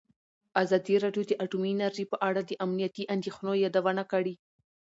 ازادي راډیو د اټومي انرژي په اړه د امنیتي اندېښنو یادونه کړې.